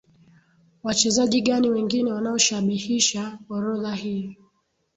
Wachezaji gani wengine wanaoshabihisha orodha hii